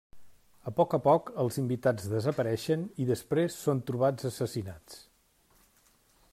A poc a poc els invitats desapareixen i després són trobats assassinats.